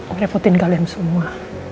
merepotin kalian semua